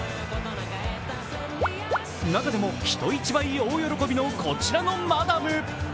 中でも人一倍大喜びのこちらのマダム。